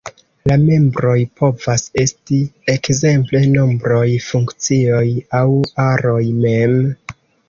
La membroj povas esti ekzemple nombroj, funkcioj, aŭ aroj mem.